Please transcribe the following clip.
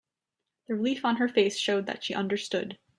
The relief on her face showed that she understood.